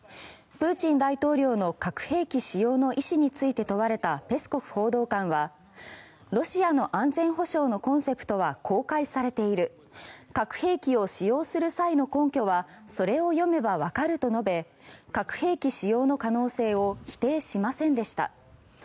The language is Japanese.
プーチン大統領の核兵器使用の意思について問われたペスコフ報道官はロシアの安全保障のコンセプトは公開されている核兵器を使用する際の根拠はそれを読めばわかると述べ核兵器使用の可能性を否定しませんでした。